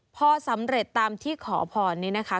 พอสำเร็จตามที่ขอผ่อนเนี่ยนะคะ